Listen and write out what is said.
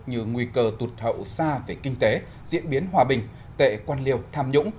như nguy cơ tụt hậu xa về kinh tế diễn biến hòa bình tệ quan liêu tham nhũng